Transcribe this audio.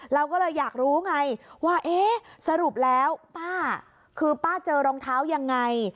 เราก็เลยอยากรู้ไงว่าเอ๊ะสรุปแล้วป้าคือป้าเจอรองเท้ายังไง